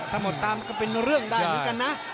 ถ้าหมดตามก็เป็นเรื่องได้เหมือนกันนะ